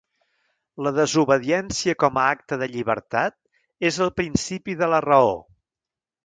La desobediència com a acte de llibertat és el principi de la raó.